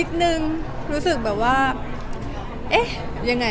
นึงรู้สึกแบบว่าเอ๊ะยังไง